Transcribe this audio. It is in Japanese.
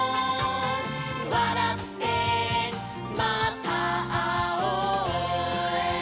「わらってまたあおう」